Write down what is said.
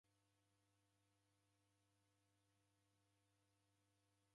Kwaki kusaw'esikira w'ushauri?